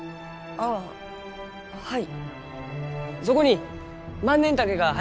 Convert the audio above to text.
ああはい。